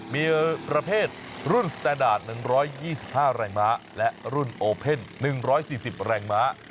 มีประเภทรุ่นสแตนดาร์ดหนึ่งร้อยยี่สิบห้าแรงม้าและรุ่นโอเพ่นหนึ่งร้อยสี่สิบแรงม้า